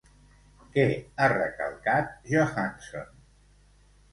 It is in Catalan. Què ha recalcat Johanson?